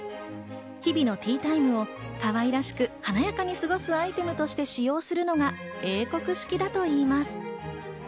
日々のティータイムをかわいらしく華やかに過ごすアイテムとして使用するのが英国式だといいます。